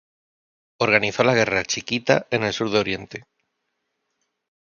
Organizó la Guerra Chiquita en el sur de Oriente.